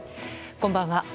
こんばんは。